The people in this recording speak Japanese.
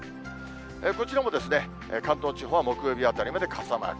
こちらも関東地方は木曜日あたりまで傘マーク。